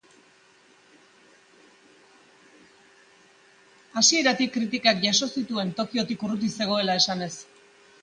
Hasieratik kritikak jaso zituen Tokiotik urruti zegoela esanez.